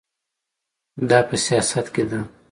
دا په سیاست کې ده.